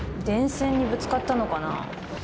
電線にぶつかったのかな？